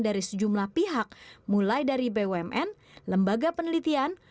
dari sejumlah pihak mulai dari bumn lembaga penelitian